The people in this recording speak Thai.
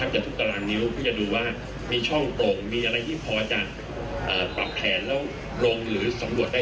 ทักจะทุกการณ์นิ้วก็จะดูว่ามีช่องตรงมีอะไรที่พอจะปรับแผนและลงหรือสำรวจได้